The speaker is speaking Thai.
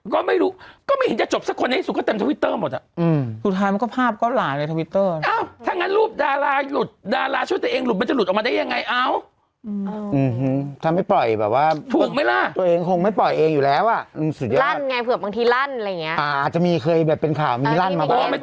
ก็ไม่รู้ก็ไม่เห็นจะจบสักคนในสุดก็เต็มทวิตเตอร์หมดอะอืมสุดท้ายมันก็ภาพก็หลายเลยทวิตเตอร์อ้าวถ้างั้นรูปดาราหลุดดาราช่วยตัวเองหลุดมันจะหลุดออกมาได้ยังไงอ้าวอือฮือถ้าไม่ปล่อยแบบว่าถูกไหมล่ะตัวเองคงไม่ปล่อยเองอยู่แล้วอ่ะอือสุดยอดลั่นไงเผื่อบางทีลั่นอะไร